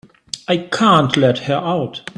I can't let her out.